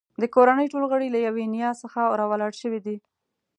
د کورنۍ ټول غړي له یوې نیا څخه راولاړ شوي دي.